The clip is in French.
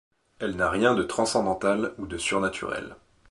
Elle n'a rien de transcendantal ou de surnaturel.